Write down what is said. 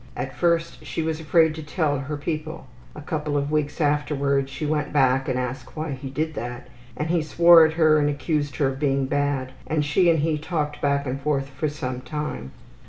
At first she was afraid to tell her people. A couple of weeks afterward she went back and asked why he did that, and he swore at her and accused her of being bad, and she and he talked back and forth for some time.